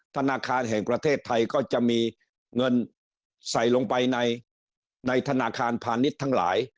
ธนาคารแห่งประเทศไทยก็จะมีเงินใส่ลงไปในธนาคารพาณิชย์ทั้งหลาย